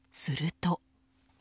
すると。